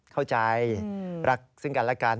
เข้าใจรักซึ่งกันและกัน